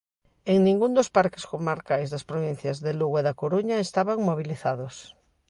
En ningún dos parques comarcais das provincias de Lugo e da Coruña estaban mobilizados.